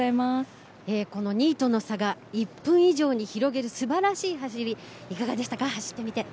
２位との差が１分以上に広げる素晴らしい走りいかがでしたか。